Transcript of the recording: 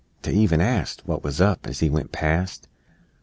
To even ast What wuz up, as he went past!